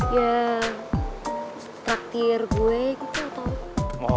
ya traktir gue gitu atau apa